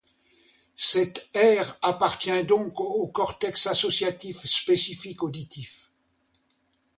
Cette aire appartient donc au cortex associatif spécifique auditif.